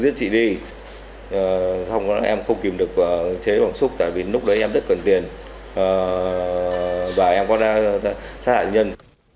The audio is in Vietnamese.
thì em không kìm được chế bằng súc tại vì lúc đấy em rất cần tiền và em có ra sát hại nhân